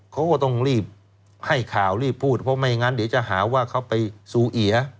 เขาก็ต้องรีบให้ข่าวรีบพูดเพราะไม่งั้นเดี๋ยวจะหาว่าเขาไปซูเอีย